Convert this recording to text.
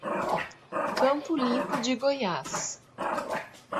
Campo Limpo de Goiás